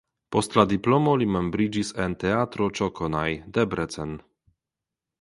Post la diplomo li membriĝis en Teatro Csokonai (Debrecen).